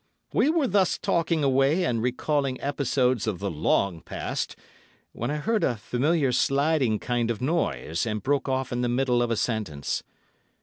We were thus talking away and recalling episodes of the long past, when I heard a familiar sliding kind of noise, and broke off in the middle of a sentence.